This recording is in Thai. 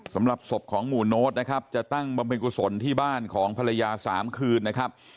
สำหรับศพของหมู่โน้ตนะครับจะตั้งบำเพ็ญกุศลที่บ้านของภรรยา๓คืนนะครับ